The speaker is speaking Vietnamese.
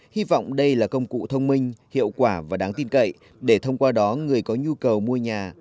hy vọng đây là công cụ thông minh hiệu quả và đáng tin cậy để thông qua đó người có nhu cầu mua nhà